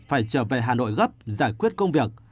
phải trở về hà nội gấp giải quyết công việc